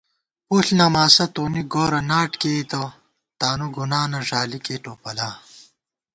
پُݪ نماسہ تونی گورہ ناٹ کېئیتہ تانُو گُنا نہ ݫالِکے ٹوپلا